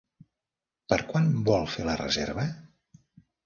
Per quan vol fer la reserva?